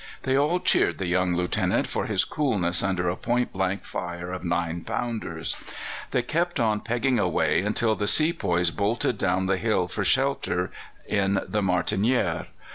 They all cheered the young Lieutenant for his coolness under a point blank fire of 9 pounders. They kept on pegging away until the sepoys bolted down the hill for shelter in the Martinière.